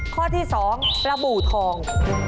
ข้อที่๒ปลาบูทอง